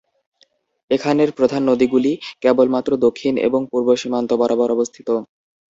এখানের প্রধান নদীগুলি কেবলমাত্র দক্ষিণ এবং পূর্ব সীমান্ত বরাবর অবস্থিত।